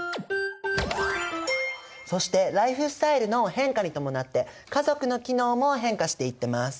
そしてライフスタイルの変化に伴って家族の機能も変化していってます。